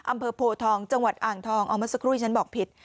อำเภอโพทองจังหวัดอ่างทองเอาเมื่อสักครู่ที่ฉันบอกผิด